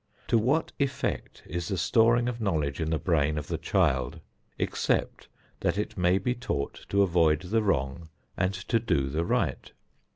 To what effect is the storing of knowledge in the brain of the child, except that it may be taught to avoid the wrong and to do the right?